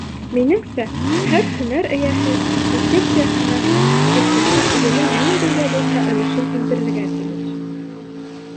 Минеңсә, һәр һөнәр эйәһе профессияһының үҫешенә үҙенең ниндәй ҙә булһа өлөшөн индерергә тейеш.